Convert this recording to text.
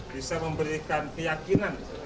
bisa memberikan keyakinan